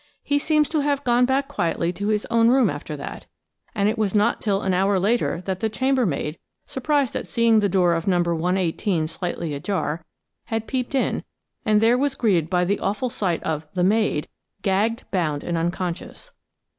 He seems to have gone back quietly to his own room after that; and it was not till an hour later that the chambermaid, surprised at seeing the door of No. 118 slightly ajar, had peeped in, and there was greeted by the awful sight of "the maid," gagged, bound and unconscious.